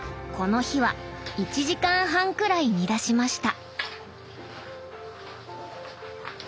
この日は１時間半くらい煮出しました。